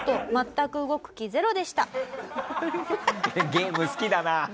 ゲーム好きだな。